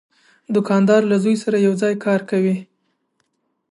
دوکاندار له زوی سره یو ځای کار کوي.